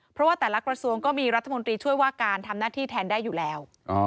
เพราะว่าแต่ละกระทรวงก็มีรัฐมนตรีช่วยว่าการทำหน้าที่แทนได้อยู่แล้ว